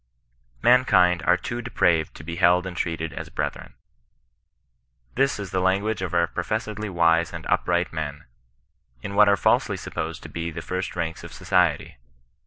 Man kind are too depraved to be held and treated as bre thren." This is the language of our professedly wise and upright men, in what are falsely supposed to be the first ranks of society.